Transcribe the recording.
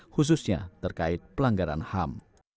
khususnya terkait pelanggaran ham